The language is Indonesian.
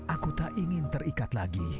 aku tak ingin terikat lagi